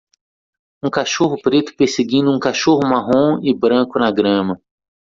um cachorro preto perseguindo um cachorro marrom e branco na grama